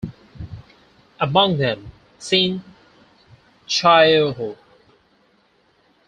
Among them, Sin Chaeho.